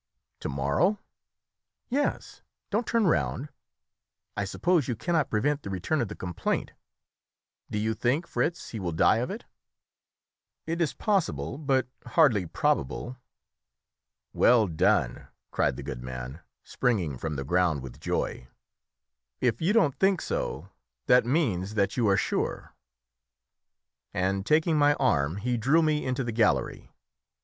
"To morrow?" "Yes; don't turn round. I suppose you cannot prevent the return of the complaint; do you think, Fritz, he will die of it?" "It is possible, but hardly probable." "Well done!" cried the good man, springing from the ground with joy; "if you don't think so, that means that you are sure." And taking my arm, he drew me into the gallery.